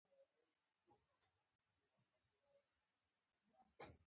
ستراتیژي یوه بشپړه واحده برنامه ده.